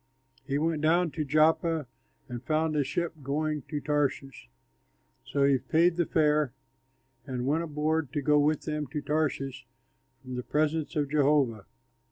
He went down to Joppa and found a ship going to Tarshish. So he paid the fare and went aboard to go with them to Tarshish from the presence of Jehovah.